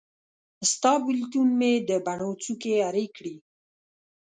ستا بیلتون مې د بڼو څوکي ارې کړې